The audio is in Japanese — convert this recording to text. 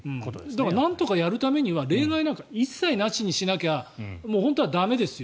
だからなんとかやるためには例外なんか一切なしにしなきゃ本当は駄目ですよ。